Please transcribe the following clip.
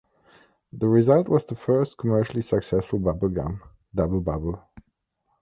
The result was the first commercially successful bubble gum, Dubble Bubble.